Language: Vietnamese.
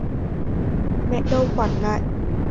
Mẹ đâu quản ngại